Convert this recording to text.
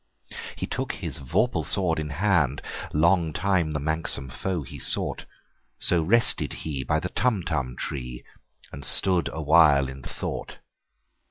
He took his vorpal sword in hand:Long time the manxome foe he sought—So rested he by the Tumtum tree, And stood awhile in thought.